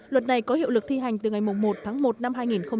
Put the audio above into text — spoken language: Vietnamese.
luật này có hiệu lực thi hành từ ngày một tháng một năm hai nghìn hai mươi